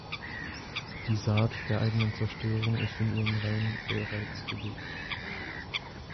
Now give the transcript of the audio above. Die Saat der eigenen Zerstörung ist in ihren Reihen bereits gelegt.